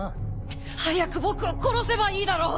早く僕を殺せばいいだろ！